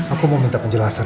aku mau minta penjelasan